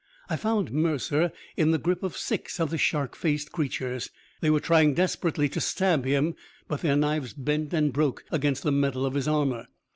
I found Mercer in the grip of six of the shark faced creatures. They were trying desperately to stab him, but their knives bent and broke against the metal of his armor.